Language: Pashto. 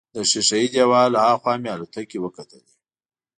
د ښیښه یي دیوال هاخوا مې الوتکې وکتلې.